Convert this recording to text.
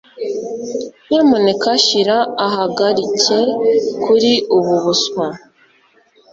Nyamuneka shyira ahagarike kuri ubu buswa.